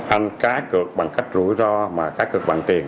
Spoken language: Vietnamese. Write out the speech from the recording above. anh cá cược bằng cách rủi ro mà cá cược bằng tiền